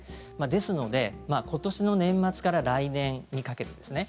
ですので、今年の年末から来年にかけてですね。